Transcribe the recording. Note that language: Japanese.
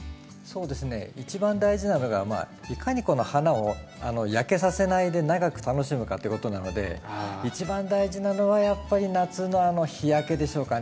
そうですね一番大事なのがいかにこの花を焼けさせないで長く楽しむかということなので一番大事なのはやっぱり夏のあの日焼けでしょうかね。